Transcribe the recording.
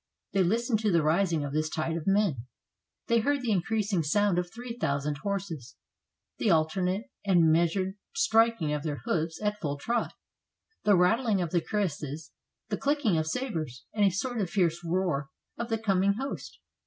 They listened to the rising of this tide of men. They heard the increasing sound of three thousand horses, the alternate and meas ured striking of their hoofs at full trot, the rattling of the cuirasses, the clicking of sabers, and a sort of fierce roar of the coming host.